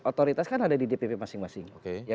otoritas kan ada di dpp masing masing